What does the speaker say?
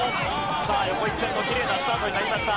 さあ横一線のきれいなスタートになりました。